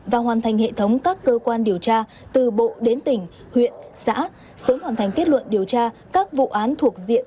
và hoàn thành hệ thống các cơ quan điều tra từ bộ đến tỉnh huyện xã sớm hoàn thành kết luận điều tra các vụ án thuộc diện